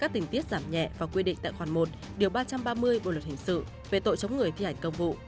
định tại khoản một điều ba trăm ba mươi bộ luật hình sự về tội chống người thi hành công vụ